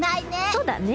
そうだね。